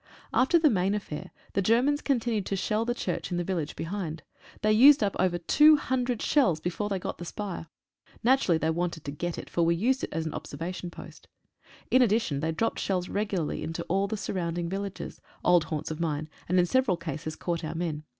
After the main affair, the Germans continued to shell the church in the vil lage behind. They used up over 200 shells before they got the spire. Naturally they wanted to get it, for we used it as an observation post. In addition they dropped shells regularly into all the surrounding villages — old haunts of mine, and in several cases caught our men.